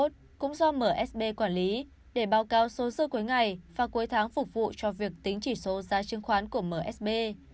do msb quản lý để báo cáo số dư cuối ngày và cuối tháng phục vụ cho việc tính chỉ số giá trương khoán của msb